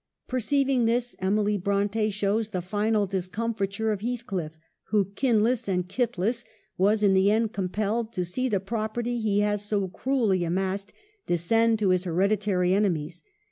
Perceiving this, Emily Bronte shows the final discomfiture of Heathcliff, who, kinless and kithless, was in the end compelled to see the property he has so cruelly amassed descend to his hereditary ene mies.